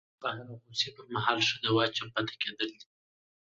د قهر او غوسې پر مهال ښه دوا چپ پاتې کېدل دي